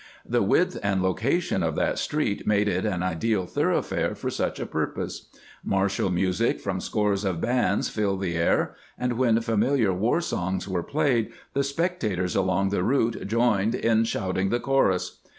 The width and location of that street made it an ideal thoroughfare for such a purpose. Mar tial music from scores of bands filled the air, and when familiar war songs were played the spectators along the route joined in shouting the chorus.